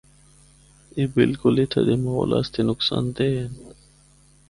اے بالکل اِتھّا دے ماحول آسطے نقصان دہ ہن۔